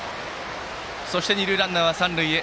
二塁ランナーは三塁へ。